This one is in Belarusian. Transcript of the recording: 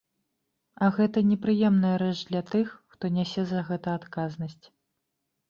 А гэта непрыемная рэч для тых, хто нясе за гэта адказнасць.